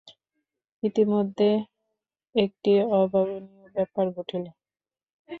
ইতিমধ্যে একটি অভাবনীয় ব্যাপার ঘটিল।